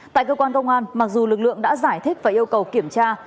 tại cơ quan công an mặc dù lực lượng đã giải thích và yêu cầu kiểm tra